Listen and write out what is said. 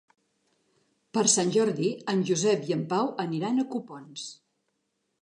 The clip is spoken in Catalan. Per Sant Jordi en Josep i en Pau aniran a Copons.